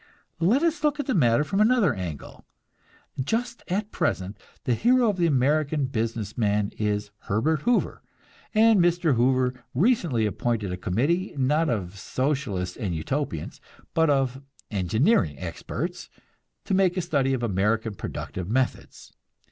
Let us look at the matter from another angle. Just at present the hero of the American business man is Herbert Hoover; and Mr. Hoover recently appointed a committee, not of Socialists and "Utopians," but of engineering experts, to make a study of American productive methods.